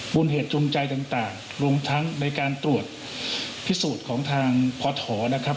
มูลเหตุจูงใจต่างรวมทั้งในการตรวจพิสูจน์ของทางพอถอนะครับ